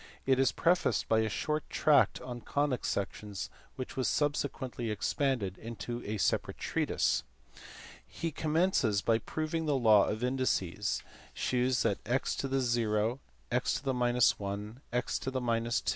It is prefaced by a short tract on conic sections which was subsequently expanded into a separate treatise. He commences by proving the law of indices ; shews that B. 19 290 MATHEMATICS FROM DESCARTES TO HUYGENS.